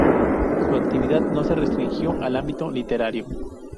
Su actividad no se restringió al ámbito literario.